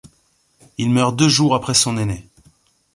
Il meurt deux jours après son aîné.